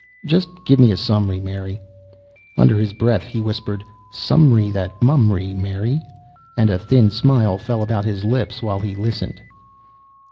"Just give me a summary, Mary." Under his breath he whispered, "Summary that mummery, Mary," and a thin smile fell about his lips while he listened.